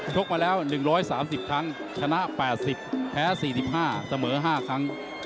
กมาแล้ว๑๓๐ครั้งชนะ๘๐แพ้๔๕เสมอ๕ครั้ง